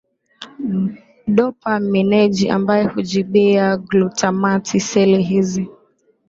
dopamineji ambayo hujibia glutamati Seli hizi